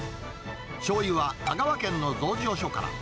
しょうゆは香川県の醸造所から。